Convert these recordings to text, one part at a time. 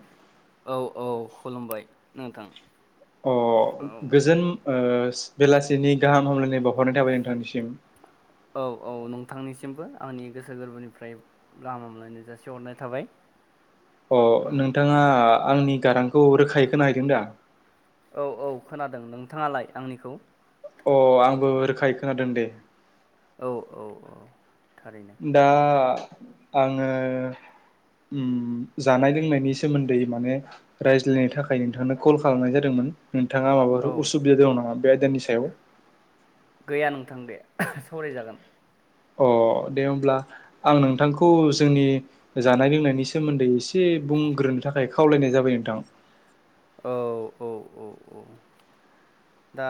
[inaudible] औ औ खुलुमबाय नोंथां अ औ। गोजोन ओ बेलासिनि गाहाम हामलायनाय बावहरनाय थाबाय नोंथांनिसिम। औ औ नोंथांनिसिमबो आंनि गोसो गोरबोनिफ्राय गाहाम हामलायनाय जासिहरनाय थाबाय। अ औ नोंथाङा आंनि गारांखौ रोखायै खोनाहैदों दा? औ औ खोनादों नोंथाङालाय आंनिखौ? अ आंबो रोखायै खोनादों दे। औ औ औ। थारैनो दा आङो ओम जानाय लोंनायनि सोमोन्दै माने रायज्लायनो थाखाय नोंथांनो कल खालामनाय जादोंमोन। नोंथाङा औ माबाफोर असुबिदा दं नामा बे आयदानि सायाव? गैया नोंथां दे सावरायजागोन। अ दे अब्ला आं नोंथांखौ जोंनि जानाय लोंनायनि सोमोन्दै एसे बुंग्रोनो थाखाय खावलायनाय जाबाय नोंथां। औ औ औ औ। [inaudible] दा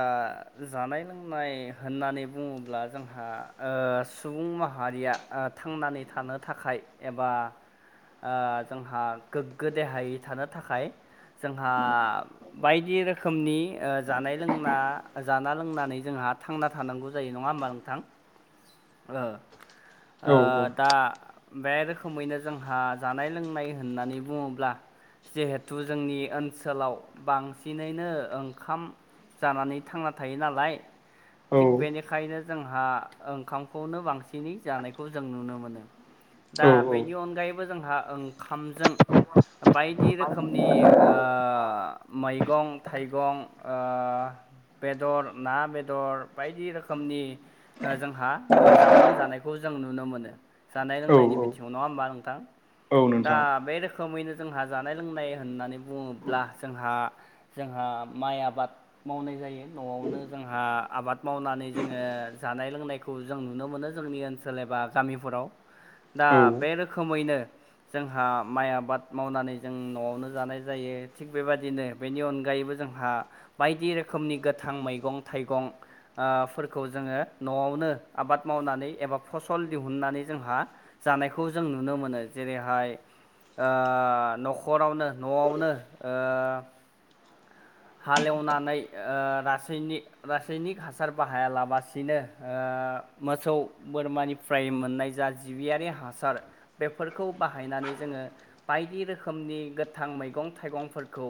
जानाय लोंनाय होननानै बुङोब्ला जोंहा ओ सुबुं माहारिया ओ थांनानै थानो थाखाय एबा आ जोंहा गोग्गो देहायै थानो थाखाय जोंहा बायदि रोखोमनि ओ जानाय लोंना जाना लोंनानै जोंहा थांना थानांगौ जायो नङा होमबा नोंथां? ओ। ओ औ दा बे रोखोमैनो जोंहा जानाय लोंनाय होननानै बुङोब्ला जिहेथु जोंनि ओनसोलाव बांसिनैनो ओंखाम जानानै थांना थायो नालाय औ थिग बेनिखायनो जोंहा ओंखामखौनो बांसिनै जानायखौ जों नुनो मोनो। दा औ औ बेनि अनगायैबो जोंहा ओंख्रामजों बायदि रोखोमनि ओ मैगं थाइगं‌ ओ बेदर ना बेदर बायदि रोखोमनि ओ जोंहा ओ जामुं जानायखौ जों जों नुनो मोनो जानाय औ लोंनायनि औ बिथिङाव नङा होमबा नोंथां? औ दा नोंथां बे रोखोमैनो जोंहा जानाय लोंनाय होननानै बुङोब्ला जोंहा जोंहा माइ आबाद मावनाय जायो न'आवनो जोंहा आबाद मावनानै जोङो जानाय लोंनायखौ जों नुनो मोनो जोंनि ओनसोल एबा गामिफोराव। दा औ बे रोखोमैनो जोंहा माइ आबाद मावनानै जों न'आवनो जानाय जायो थिग बेबादिनो बेनि अनगायैबो जोंहा बायदि रोखोमनि गोथां मैगं थाइगं आ फोरखौ जोङो न'आवनो आबाद मावनानै एबा फसल दिहुननानै जोंहा जानायखौ जों नुनो मोनो, जेरैहाय ओ न'खरावनो न'आवनो ओ हालेवनानै ओ रासायनि रासायनिक हासार बाहायालाबासिनो ओ ओ मोसौ बोरमानिफ्राय मोननाय जा जिबियारि हासार बेफोरखौ बाहायना नै जोंङो बायदि रोखोमनि गोथां मैगं-थाइगंफोरखौ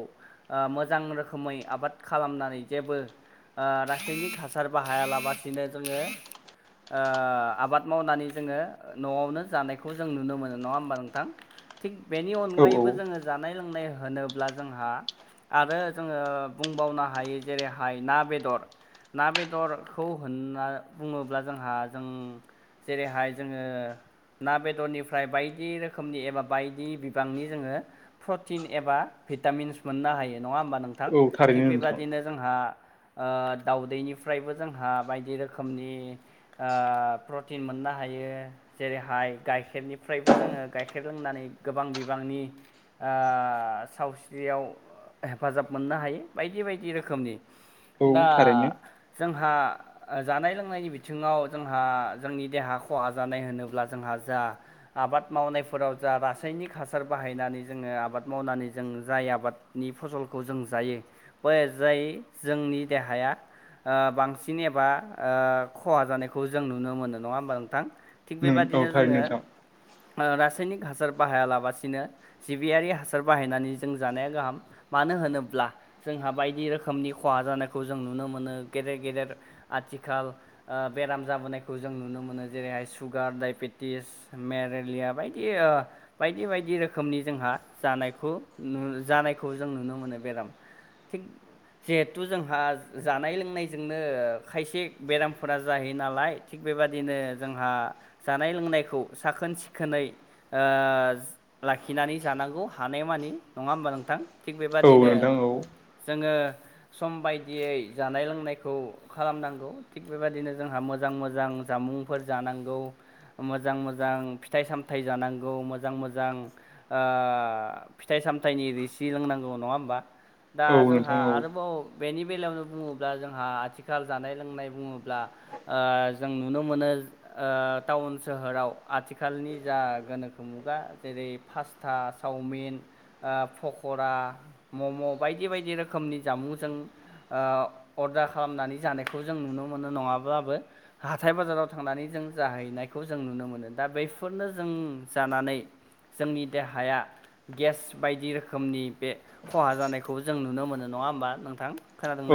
ओ मोजां रो खोमै आबाद खालामनानै जेबो ओ रासायनिक हासार बाहायालाबसिनो जोंङो ओ आबाद मावनानै जोंङो न'आवनो जानायखौ जों नुनो मोनो नङा होमबा नोंथां थिग बेनि औ औ अनगायैबो जोंङो जानाय लोंनाय होनोब्ला जोंहा आरो जोंङो बुंबावनो हायो जेरैहाय ना बेदर ना बेदरखौ होनना बुंङोब्ला जोंहा जों जेरैहाय जोंङो ना बेदरनिफ्राय बायदि रोखोमनि एबा बायदि बिबांनि जोंङो प्रटिन एबा भिटामिन्स मोननो हायो नङा होमबा नोंथां औ थिग थारैनो नोंथां बेबादिनो जोंहा ओ दाउदैनिफ्रायबो जोंहा बायदि रोखोमनि ओ प्रटिन मोननो हायो जेरैहाय गाइखेरनिफ्रायबो जोंङो गाइखेर लोंनानै गोबां बिबांनि ओ सावस्रियाव हेफाजाब मोननो हायो बायदि बायदि रोखोमनि औ दा थारैनो जोंहा जानाय लोंनायनि बिथिङाव जोंहा जोंनि देहा खहा जानाय होनोब्ला जोंहा जा आबाद मावनायफोराव जा रासायनिक हासार बाहायनानै जोंङो आबाद मावनानै जों जाय आबादनि फसल खौ जों जायो बे जाय जोंनि देहाया ओ बांसिन एबा ओ खहा जानायखौ जों नुनो मोनो नङा होमबा नोंथां थिग नों औ बेबादिनो थारैनो नोंथां जोंङो रासा यनिक हासार बाहायालासिनो जिबियारि हासार बाहायनानै जों जानाया गाहाम मानो होनोब्ला जोंहा बायदि रोखोमनि खहा जानायखौ जों नुनो मोनो गेदेर गेदेर आ थिखाल बेराम जाबोनायखौ जों नुनो मोनो जेरैहाय सुगार डाइबेटिस मेरे लिया बायदि बायदि रोखोमनि जोंहा जानायखौ नु जानायखौ जों नुनो मोनो बेराम थिग जिहेथु जोंहा जानाय लोंनायजोंनो खाय से बेरामफोरा जाहैयो नालाय थिग बेबायदिनो जोंहा जानाय लोंनायखौ साखोन सिखोनै ओ लाखिनानै जानांगौ हानायमानि नंङा होमबा नोंथां थिग औ बेबादिनो नोंथां औ जोंङो सम बायदियै जानाय लोंनायखौ खालामनांगौ थिग बेबायदिनो जोंहा मोजां मोजां जामुंफोर जानांगौ मोजां मोजां फिथाइ- सामथाइ जानांगौ मोजां मोजां ओ फिथाइ सामथाइनि रोसि लोंनांगौ नंङा होमबा दा औ नोंथां जोंहा औ आरोबाव बेनि बेलायावनो बुंङोब्ला जोंहा आथिखाल जानाय लोंनाय बुङोब्ला ओ जों नुनो मोनो ओ टाउन सोहोराव आथिखालनि जा गोनोखो मुगा जेरै फासथा सावमिनओ फक करा‌ मम बायदि बायदि रोखोमनि जामुं जों अर्डार खालामनानै जानायखौ जों नुनो मोनो नङाब्लाबो हाथाय बाजाराव थांनानै जों जाहैनायखौ जों नुनो मोनो दा बेफोरनो जों जानानै जोंनि देहाया गेस बायदि रो खोमनि बे खहा जानायखौ जों नुनो मोनो नङा होमबा नोंथां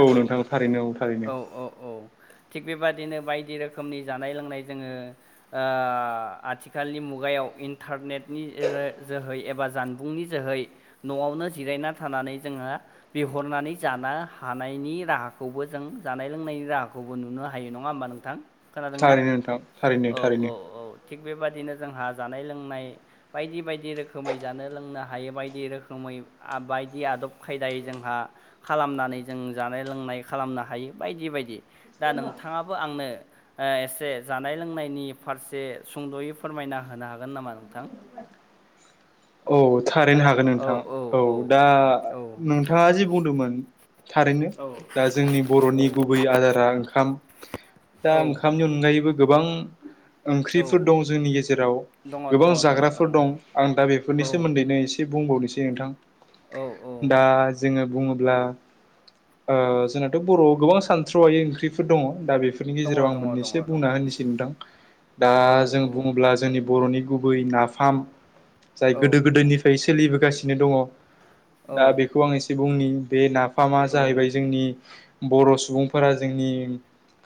औ नोंथां थारैनो औ थारैनो औ औ औ [inaudible] थिग बेबादिनो बायदि रोखोमनि जानाय लोंनाय जोंङो ओ आथिखालनि मुगायाव इन्टारनेटनि जोहै एबा जानबुंनि जोहै नआवनो जिरायना थानानै जोंङो बिहरनानै जानो हानायनि राहाखौबो जों जानाय लोंनायनि राहाखौबो नुनो हायो नंङा होमबा नोंथां खोनादोंना थारैनो नोंथां थारैनो थारैनो बेबायदिनो जोंहा जानाय लोंनाय बायदि बायदि रोखोमै जानो लोंनो हायो बायदि रोखोमै बायदि आदब खायदायै जोंहा खालामनानै जों जानाय लोंनाय खालामनो हायो बायदि बायदि दा नोंथाङाबो आंनो एसे जानाय लोंनायनि फारसे सुंद'यै फोरमायना होनो हागोन नामा नोंथां? औ थारैनो हागोन खोनादोंना औ नोंथां औ दा औ नोंथाङा जि बुंदोंमोन थारैनो औ दा जोंनि बर'नि गुबै आदारा ओंखाम दा औ ओंखामनि अनगायैबो गोबां औ ओंख्रिफोर दं जोंनि गेजेराव दङ दङ गोबां दङ दङ जाग्राफोर दं आं दा बेफोरनि औ सोमोन्दैनो एसे बुंबावनोसै नोंथां औ औ दा जोङो बुङोब्ला ओ जोंनाथ' बर'आव गोबां सानथ्र हायै ओंख्रिफोर दङ' दा बे बेफोरनि दङ गेजेराव आं दङ दङ मोननैससे दङ बुंना होनोसै नोंथां। दा औ जों औ बुङोब्ला जोंनि बर'नि गुबै नाफाम जाय औ गोदो गोदायनिफ्राय सोलिबोगासिनो दङ' औ दा बेखौ आं एसे बुंनि बे ना फामा औ जाहैबाय जोंनि बर' सुबुंफोरा जोंनि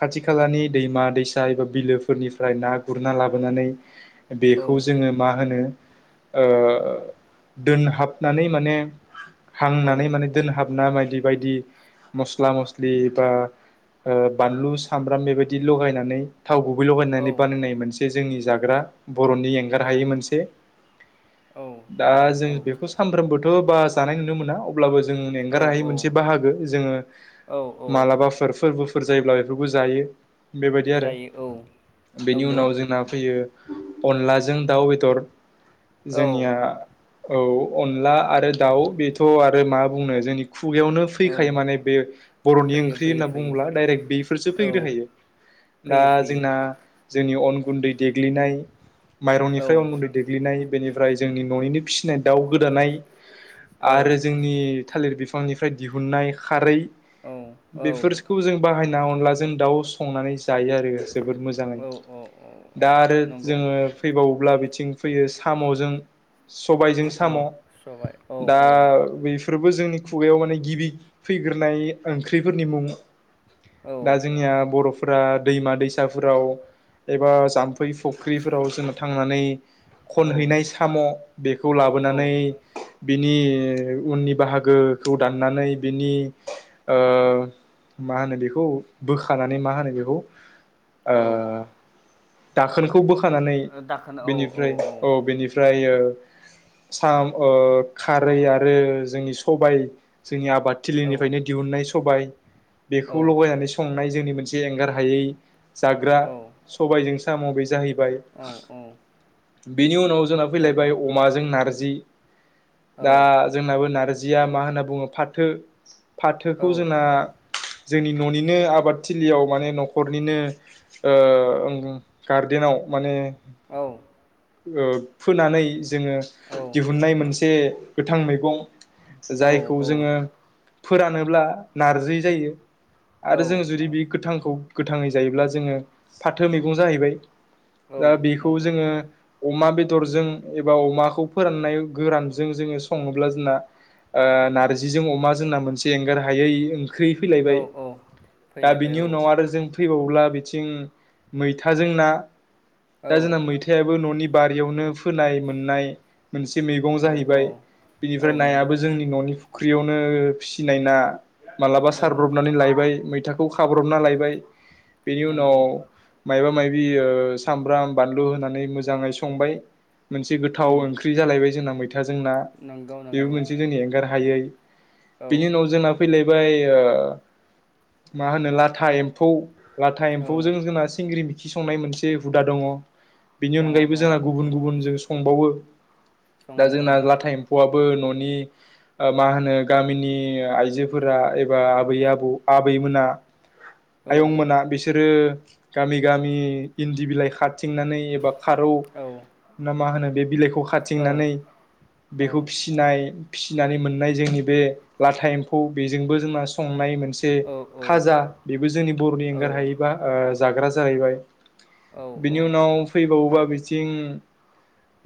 खाथि खालानि दैमा दैसा एबा बिलोफोरनिफ्राय ना गुरना लाबोनानै औ बेखौ जोङो मा होनो ओ दोनहाबनानै माने हांनानै माने दोनहाब ना बायदि बायदि मस्ला मस्लि बा ओ बानलु सामब्राम बेबायदि लगायनानै थाव गुबै औ लगायनानै बानायनाय मोनसे जोंनि जाग्रा बर'नि एंगार औ हायै मोनसे औ दा जों बाहागो बेखौ सानफ्रोमबोथ' बा जानाय नुनो मोना अब्लाबो जों औ एंगार हायै मोनसे बाहागो जोङो औ औ मालाबाफोर फोरबोफो फोर जायोब्ला बेफोरखौ जायो बेबायदि आरो जायो औ बेनि नंगौ उनाव जोंना फैयो अनलाजों दाउ बेदर औ जोंनिया औ अनला आरो दाउ बेथ' आरो मा बुंनो जोंनि खुगायावनो फैखायो औ माने बे बर'नि फैयो ओंख्रि फैयो होनना फैयो बुङोब्ला डाइरेक बेफोरसो फैग्रो औ खायो। दा फैयो फैयो जोंना जोंनि अन गुन्दै देग्लिनाय औ माइरंनिफ्राय अन गुन्दै देग्लिनाय बेनिफ्राय जोंनि न'निनो फिसिनाय दाउ गोदानाय औ आरो जोंनि थालिर बिफ फांनिफ्राय दिहुननाय खारै औ बेफोरखौ जों बाय ना अनलाजों दाव संनानै जायो आरो जोबोद मोजाङै। औ औ औ दा आरो नंगौ जोङो फैबावोब्ला बिथिं फैयो साम'जों सबायजों साम' औ सबाय औ दा औ बेफोर बो जोंनि खुगायाव माने गिबि फैग्रोनाय ओंख्रिफोरनि मुं औ दा जोंनिया बर'फ फोरा दैमा दैसाफोराव एबा जाम्फै फुख्रिफोराव जों थांनानै औ खनहैनाय साम' बेखौ लाबोनानै औ बिनि उननि बाहागोखौ दाननानै बिनि ओ मा होनो बेखौ बोखानानै मा होनो बेखौ ओ औ दाखोनखौ बोखानानै बेनिफ्राय औ बेनिफ्राय यो साम ओ खारै आरो जोंनि सबाय जोंनि आबाद थिलिनिफ्रायनो दिहुननाय सबाय औ बेखौ लगायनानै संनाय जोंनि मोनसे एंगार हायै जाग्रा औ औ सबायजों साम' बे जाहै औ औ बेनि उनाव जोंना फैलायबाय नंगौ अमाजों नारजि औ दा जोंनाबो नारजि जिया मा होनना बुङो फाथो औ फाथोखौ जोंना जोंनि न'निनो आबाद थिलियाव माने न'खरनिनो ओ गार देनाव माने औ ओ फोनानै जोङो औ दिहुननाय मोनसे गोथां मैगं औ जायखौ जोङो फोरानोब्ला नारजि जायो। औ आरो जोङो जुदि बे गोथांखौ गोथाङै जायोब्ला जोङो फाथो मैगं जाहैबाय औ दा बेखौ नंगौ जोङो अमा बेदरजों एबा अमाखौ फोराननाय गोरानजों जोङो सङोब्ला जोंना ओ नारजिजों अमा जोंना मोनसे एंगार हायै ओंख्रै औ फैलायबाय औ दा फैलायबाय बिनि औ उनाव आरो जों फैबावब्ला बिथिं मैथाजों ना औ दा जोंना मैथायाबो न'नि बारियावनो फोनाय मोननाय मोनसे मैगं औ औ जाहैबाय औ बिनिफ्राय नंगौ नायाबो जोंनि न'नि फुख्रियावनो फिसिनाय ना मालाबा औ सारब्रबनानै लायबाय मैथा खौ खाब्रबना लायबाय बेनि उनाव नंगौ मायबा माबि ओ सामब्राम बानलु होनानै मोजाङै संबाय मोनसे गोथाव उम ओंख्रि जालायबाय जोंना मैथाजों ना नंगौ बेबो नंगौ मोनसे जोंनि एंगार हायै औ बेनि उनाव जोंना फैलायबाय ओ मा होनो लाथा एम्फौ लाथा औ एम्फौजों जोंना सिंग्रि बिखि संनाय मोनसे हुदा दङ बेनि दङ अनगायै दङ जोंना गुबुन गुबुन जों संबावो दा सङो औ जोंना लाटा एम्फौया बो न'नि मा होनो गामिनि आइजोफोरा एबा आबै आबौ आबैमोना औ आयं मोना बिसोरो गामि गामि इन्दि बिलाइ खाारथिंनानै एबा खारौ औ ना मा होनो बे बिलाइखौ औ खाथिंनानै औ बेखौ फिनाय फिसिनानै मोननाय जोंनि बे लाथा एम्फौ बेजोंबो जोंना संनाय मो मोनसे औ खाजा बेबो जोंनि बरनि एंगार हायै बा ओ जाग्रा जाहैबाय औ बिनि उनाव फैबावोबा बिथिं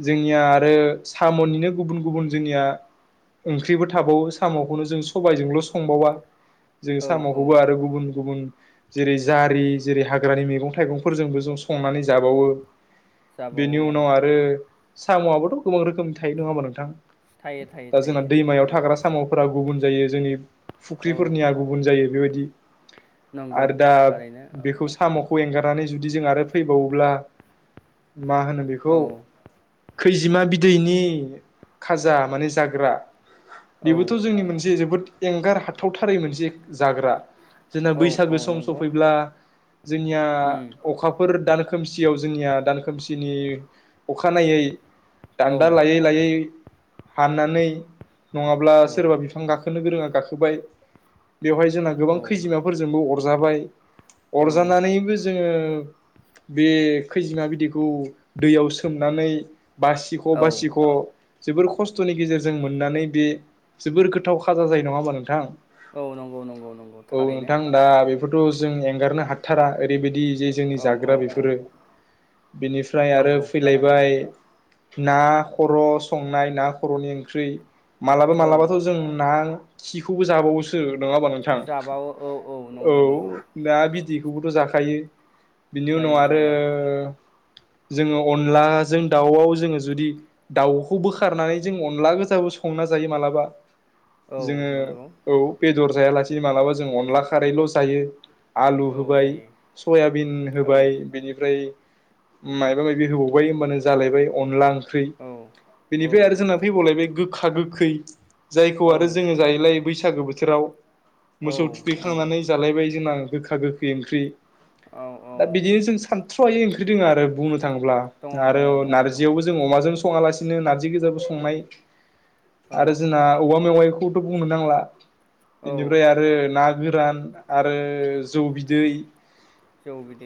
जोंनिया आरो सामनिनो गुबुन गुबुन जोंनिया ओंख्रिबो थाबावो सामखौनो जों सबायजोंल संबावा जोंङो औ औ सामखौबो आरो गुबुन गुबुन जेरै जारि जेरै हाग्रानि मैगं थाइगंफोरजोंबो जों संनानै जाबावो। बेनि जाबावो औ उनाव आरो सामआआबोथ गोबां रोखोमनि थायो नङा होमबा नोंथां। थायो थायो दा जोंना दैमायाव थायो औ थाग्रा सामफोरा गुबुन जायो जोंनि औ फुख्रिफोरनिया गुबुन जायो बेबायदि नंगौ आरो दा थारैनो बेखौ सामखौ एंगारनानै जुदि जों आरो फैबावोब्ला मा होनो बेखौ ओ, खैजिमा बिदैनि खाजा माने जाग्रा औ बेबोथ जोंनि मोनसे जोबोद एंगार हाथावथारै मोनसे जाग्रा जोंना औ औ बैसागो सम नंगौ सफैब्ला जोंनिया उम अखाफोर दान खोमसियाव जोंनिया दान खोमसिनि अखानायै औ दान्दा लायै औ लायै हाननानै नङाब्ला सोरबा बिफां गाखोनो गोरोङा गाखोबाय बेवहाय जोंना गोबां औ खैजिमाफोरजोंबो अरजाबाय औ अरजानानैबो जोङो बे खैजिमा बिदैखौ दैयाव सोमनानै बासिख' औ बासिख' जोबोर खस्थनि गेजेरजों मोननानै बे जोबोर गोथाव खाजा जायो नङा होमबा नोंथां। औ नंगौ नंगौ नंगौ थारैनो बेथ जों एंगारनो हाथारा ओरैबायदि जे जोंनि औ औ जाग्रा औ बेफोरो बिनिफ्राय आरो नंगौ फैलायबाय थारैनो ना खर' संनाय ना खर'नि ओंख्रि मालाबा औ मालाबाथ जों ना खिखौबो जाबावोसो नङाहोनबा नोंथां जाबावो औ औ नंगौ नंगौ ना बिदैखौबोथ जाखायो। बिनि उनाव जायो आरो जायो जोङो अनलाजों दाउआव जोङो जुदि दाउखौ बोखारनानै जों अनला गोजा संना जायो मालाबा औ जोङो नंगौ औ बेदर जायालासेनो मालाबा जों अनला खारैल' जायो आलु औ होबाय जायो सयाबिन औ होबाय बिनिफ्राय मायबा मायबि होबावबाय होमबानो जालायबाय अनला ओं ख्रै औ औ बेनिफाय आरो जोंना नंगौ फैबावलाय गोखा गोखै जायखौ औ आरो जोङो जायोलाय बैसागो बोथोराव औ मोसौ नंगौ थुखैखांनानै जालायबाय जोंना गोखा गोखै ओंख्रि औ औ दा बिदिनो जों सानथ्र'हायै ओंख्रि दों आरो बुंनो थांब्ला दङ दङ आरो दङ दङ नारजियावबो जों अमाजों सङालासिनो नारजि गोजाबो संनाय आरो जोंना औवा मेवाइखौथ' बुंनो नांला औ इनिफ्राय आरो ना गोरान आरो जौ बिदै जौ बिदै